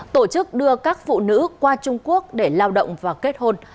tổ chức đưa các phụ nữ qua trung quốc để lao động và kết hôn